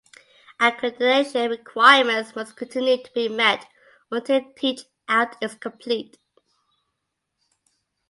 Accreditation requirements must continue to be met until teachout is complete.